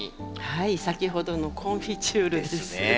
はい先ほどのコンフィチュールです。ですね。